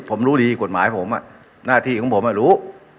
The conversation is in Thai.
ผมรู้ดีกฎหมายผมหน้าที่ของผมรู้